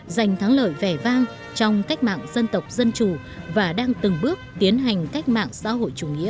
giành thắng lợi vẻ vang trong cách mạng dân tộc dân chủ và đang từng bước tiến hành cách mạng xã hội chủ nghĩa